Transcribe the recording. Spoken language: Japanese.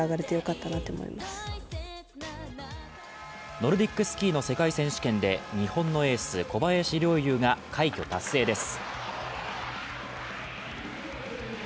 ノルディックスキーの世界選手権で日本のエース、小林陵侑が快挙達成です。